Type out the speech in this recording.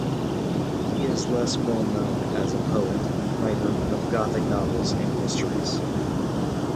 He is less well known as a poet, writer of gothic novels and histories.